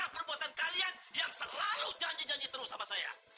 karena perbuatan kalian yang selalu janji janji terus sama saya